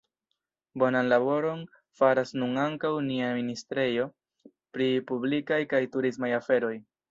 Bonan laboron faras nun ankaŭ nia ministrejo pri publikaj kaj turismaj aferoj.